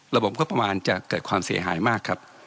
ระบบงบประมาณจะเกิดความเสียหายมากครับ